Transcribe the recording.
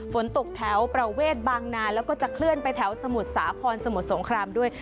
ฝนตกแถวประเวทบางนาแล้วก็จะเคลื่อนไปแถวสมุทรสาครสมุทรสงครามด้วย